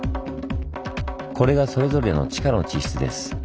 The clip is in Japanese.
これがそれぞれの地下の地質です。